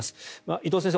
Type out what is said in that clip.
伊藤先生